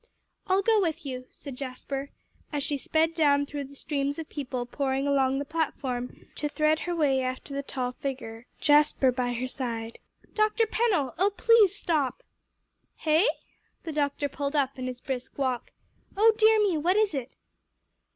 "I'll go with you," said Jasper, as she sped down through the streams of people pouring along the platform, to thread her way after the tall figure, Jasper by her side. "Dr. Pennell oh, please stop." "Hey?" The doctor pulled up in his brisk walk. "Oh dear me! what is it?"